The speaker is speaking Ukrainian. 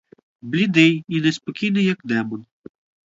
Блідий і неспокійний, як демон.